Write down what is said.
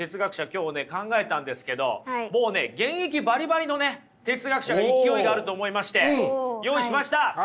今日ね考えたんですけどもうね現役バリバリのね哲学者が勢いがあると思いまして用意しました！